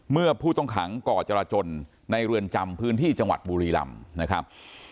เมื่อผู้ต้องขังก่อจราจนในเรือนจำพื้นที่จังหวัดบุรีรำนะครับ